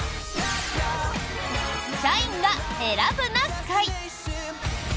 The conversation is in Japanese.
「社員が選ぶな会」！